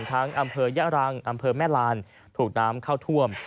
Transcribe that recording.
ดังทั้งอำเภยรังอำเภอแม่รานถูกน้ำเข้าถ้วม